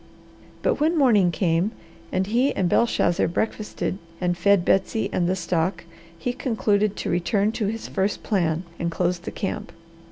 But when morning came and he and Belshazzar breakfasted and fed Betsy and the stock, he concluded to return to his first plan and close the camp.